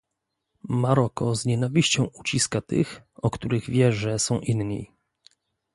Maroko z nienawiścią uciska tych, o których wie, że są inni